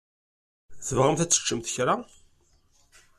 Tebɣamt ad teččemt kra?